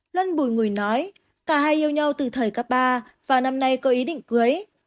luân bùi ngùi nói cả hai yêu nhau từ thời cấp ba và năm nay có ý định cưới